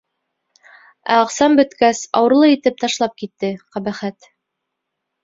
Ә аҡсам бөткәс, ауырлы итеп ташлап китте, ҡәбәхәт!